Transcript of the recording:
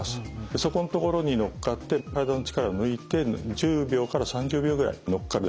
そこん所に乗っかって体の力を抜いて１０秒から３０秒ぐらい乗っかるだけです。